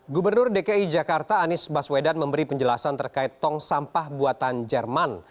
gubernur dki jakarta anies baswedan memberi penjelasan terkait tong sampah buatan jerman